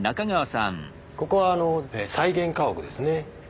ここは再現家屋ですね。